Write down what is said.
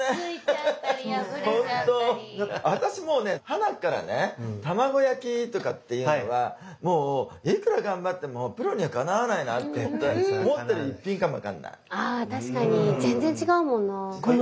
私もうねはなっからね卵焼きとかっていうのはもういくら頑張ってもプロにはかなわないなって思ってる一品かもわかんない。